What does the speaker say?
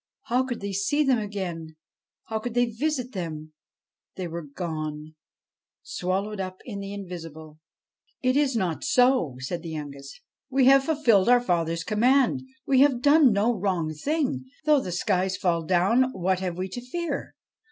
How could they see them again ? How could they visit them ? They were gone swallowed up in the invisible. ' It is not so,' said the youngest. ' We have fulfilled our father's command. We have done no wrong; though the skies fall down, what have we to fear?